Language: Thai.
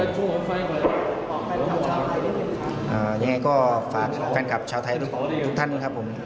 ยังไงก็ฝากแฟนคลับชาวไทยทุกท่านครับผม